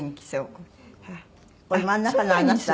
これ真ん中のあなた？